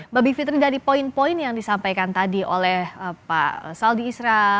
mbak bivitri dari poin poin yang disampaikan tadi oleh pak saldi isra